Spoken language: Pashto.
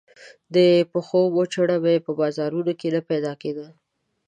د پښو موچڼه يې په بازارونو کې نه پيدا کېده.